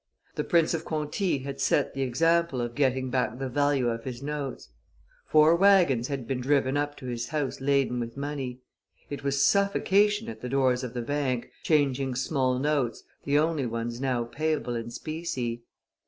The Prince of Conti had set the example of getting back the value of his notes; four wagons had been driven up to his house laden with money. It was suffocation at the doors of the Bank, changing small notes, the only ones now payable in specie.